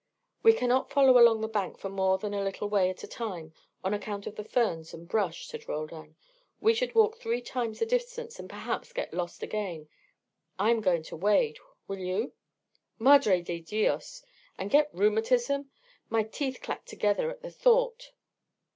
"We cannot follow along the bank for more than a little way at a time, on account of the ferns and brush," said Roldan. "We should walk three times the distance, and perhaps get lost again. I am going to wade. Will you?" "Madre de dios! And get rheumatism? My teeth clack together at the thought."